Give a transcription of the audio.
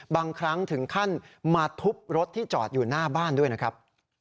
บางครั้งถึงขั้นมาทุบรถที่จอดอยู่หน้าบ้านด้วยนะครับ